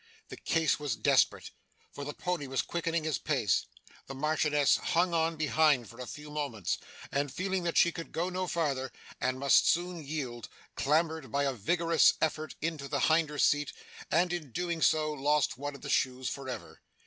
The case was desperate; for the pony was quickening his pace. The Marchioness hung on behind for a few moments, and, feeling that she could go no farther, and must soon yield, clambered by a vigorous effort into the hinder seat, and in so doing lost one of the shoes for ever.